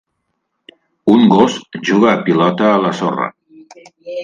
Un gos juga a pilota a la sorra.